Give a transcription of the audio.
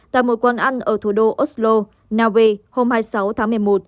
tại một quán ăn ở thủ đô oslo nave hôm hai mươi sáu tháng một mươi một